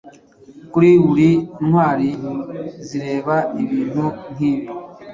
Kuri buri ntwari zireba ibintu nkibi